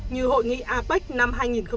như hội nghị apec năm hai nghìn sáu